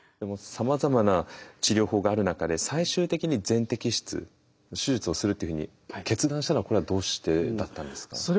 さまざまな治療法がある中で最終的に全摘出手術をするっていうふうに決断したのはこれはどうしてだったんですか？